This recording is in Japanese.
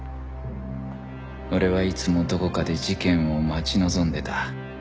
俺はいつもどこかで事件を待ち望んでいた